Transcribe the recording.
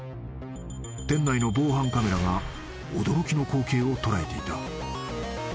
［店内の防犯カメラが驚きの光景を捉えていた］